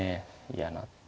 嫌な手。